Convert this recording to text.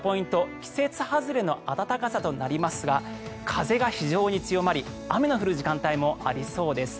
季節外れの暖かさとなりますが風が非常に強まり雨が降る時間帯もありそうです。